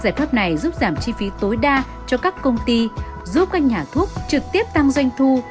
giải pháp này giúp giảm chi phí tối đa cho các công ty giúp các nhà thuốc trực tiếp tăng doanh thu